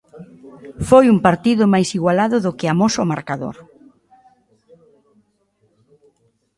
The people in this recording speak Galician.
Foi un partido máis igualado do que amosa o marcador.